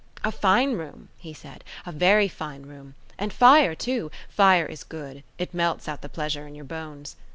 "A fine room," he said; "a very fine room. And fire, too; fire is good; it melts out the pleasure in your bones.